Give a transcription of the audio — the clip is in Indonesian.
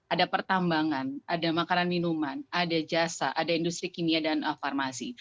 ada pertambangan ada makanan minuman ada jasa ada industri kimia dan farmasi